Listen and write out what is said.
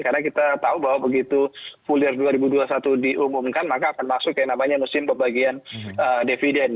karena kita tahu bahwa begitu full year dua ribu dua puluh satu diumumkan maka akan masuk ke namanya musim pembagian dividend